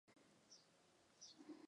她知道堂兄在此事幕后主使。